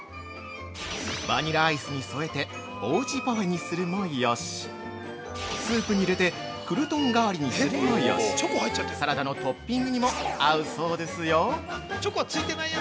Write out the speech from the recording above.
◆バニラアイスに添えておうちパフェにするもよしスープに入れてクルトン代わりにするもよしサラダのトッピングにも合うそうですよ。